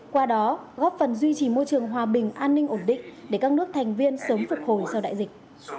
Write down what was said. qua đó góp phần duy trì môi trường hòa bình an ninh ổn định để các nước thành viên sớm phục hồi sau đại dịch